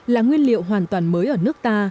là nguyên liệu hoàn toàn mới ở nước ta